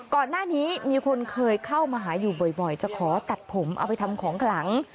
ก่อนหน้านี้มีคนเคยเข้ามาหาอยู่บ่อยจะขอตัดผมเอาไปทำของขลัง